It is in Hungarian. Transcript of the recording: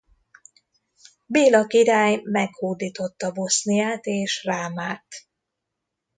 Béla király meghódította Boszniát és Rámát.